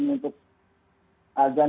ini untuk adzan